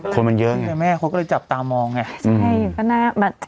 คนเหมือนเยอะเลยเขาก็จะจับตามอง